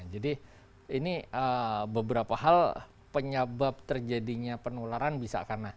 jadi ini beberapa hal penyebab terjadinya penularan bisa karena